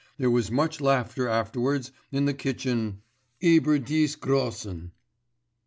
There was much laughter afterwards in the kitchen über diese Russen.